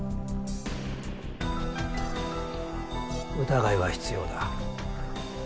疑いは必要だ。